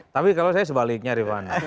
tapi kalau saya sebaliknya rifana